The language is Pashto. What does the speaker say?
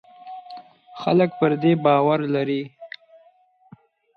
خلک پر دې باور لري.